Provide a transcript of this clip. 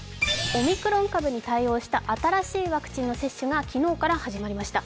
オミクロン株に対応した新しいワクチンの接種が昨日から始まりました。